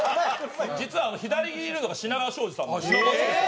実は左にいるのが品川庄司さんなんですよ。